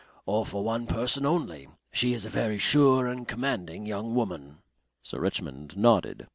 Or for one person only. She is a very sure and commanding young woman." Sir Richmond nodded.